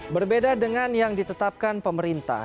berbeda dengan yang ditetapkan pemerintah